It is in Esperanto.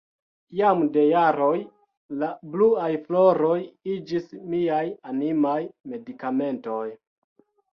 Jam de jaroj la bluaj floroj iĝis miaj animaj medikamentoj.